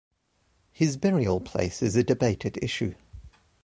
His burial place is a debated issue.